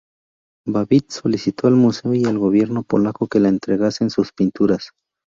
Babbitt solicitó al museo y al gobierno polaco que le entregasen sus pinturas.